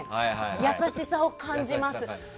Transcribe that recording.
優しさを感じます。